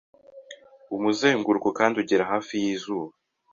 Umuzenguruko kandi ugera hafi y'izuba